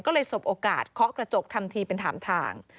ก็เลยสบโอกาสเคาะกระจกทำทีเป็นถามทาง